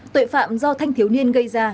tội phạm do thanh thiếu niên gây ra